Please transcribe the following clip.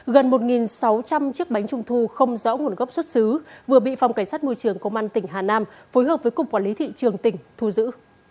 gần một sáu trăm linh chiếc bánh trung thu không rõ nguồn gốc xuất xứ vừa bị phòng cảnh sát môi trường công an tỉnh hà nam phối hợp với cục quản lý thị trường tỉnh thu giữ